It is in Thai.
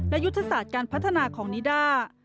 และยุทธศาสตร์การพัฒนาของนิด้า